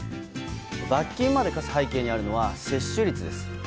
罰金まで科す背景にあるのは接種率です。